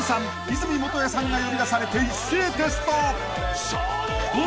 和泉元彌さんが呼び出されて一斉テスト！］